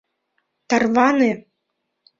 Тарване!»